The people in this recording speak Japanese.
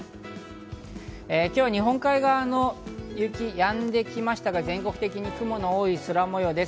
日本海側の雪やんできましたが、全国的に雲の多い空模様です。